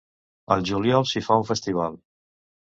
El juliol s'hi fa un festival.